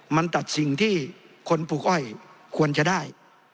มันตัดสิ่งที่คนปลูกอ้อยควรจะได้